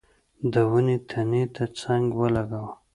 د ونې تنې ته څنګ ولګاوه.